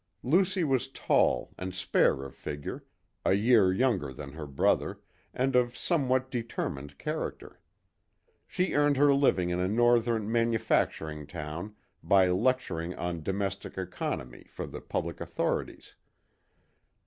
Lucy was tall and spare of figure; a year younger than her brother, and of somewhat determined character. She earned her living in a northern manufacturing town by lecturing on domestic economy for the public authorities.